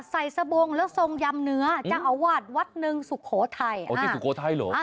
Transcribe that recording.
ใส่สบงและทรงยำเนื้อจากอาวาดวัดหนึ่งสุโขทัยอ่าสุโขทัยหรออ่า